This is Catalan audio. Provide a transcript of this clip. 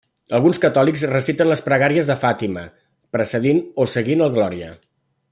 Alguns catòlics reciten les pregàries de Fàtima, precedint o seguint el glòria.